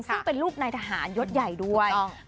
ซึ่งเป็นรูปหน่ายทหารยดใหญ่ด้วยถูกต้อง